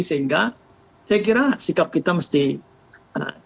sehingga saya kira sikap kita mesti